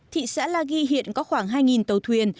thị xã la ghi hiện có khoảng hai tàu thuyền